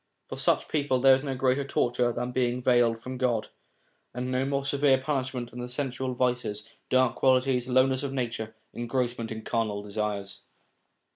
For such people there is no greater torture than being veiled from God, and no more severe punishment than sensual vices, dark qualities, lowness of nature, engrossment in carnal desires.